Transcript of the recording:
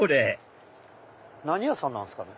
何屋さんなんですかね？